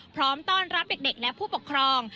พร้อมต้อนรับเด็กและผู้ปกครอง